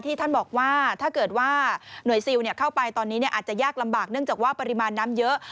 ท่านบอกว่าถ้าเกิดว่าหน่วยซิลเข้าไปตอนนี้อาจจะยากลำบากเนื่องจากว่าปริมาณน้ำเยอะ